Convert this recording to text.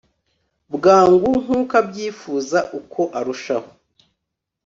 bwangu nkuko abyifuza uko arushaho